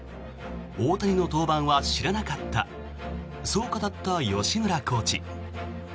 大谷の登板は知らなかったそう語った吉村コーチ。